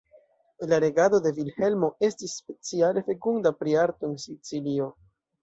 La regado de Vilhelmo estis speciale fekunda pri arto en Sicilio.